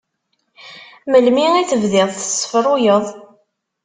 Melmi i tebdiḍ tessefruyeḍ?